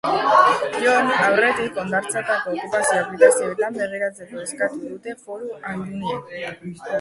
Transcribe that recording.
Joan aurretik hondartzetako okupazioa aplikazioetan begiratzeko eskatu dute foru aldundiek.